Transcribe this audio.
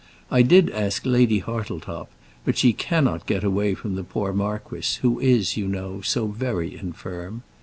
I did ask Lady Hartletop, but she cannot get away from the poor marquis, who is, you know, so very infirm.